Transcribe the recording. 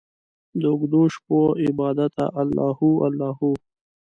داوږدوشپو عبادته الله هو، الله هو